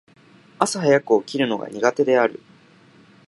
朝早く起きるのが苦手である。